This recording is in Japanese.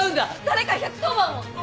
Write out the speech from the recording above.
誰か１１０番を！